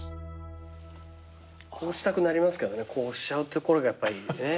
こうしたくなりますけどねこうしちゃうところがやっぱりね。